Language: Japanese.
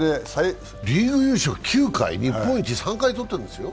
リーグ優勝９回、日本一、３回取ってるんですよ。